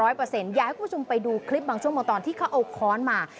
อยากให้คุณผู้ชมไปดูคลิปบางช่วงบางตอนที่เขาเอาค้อนมา